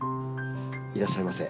いらっしゃいませ。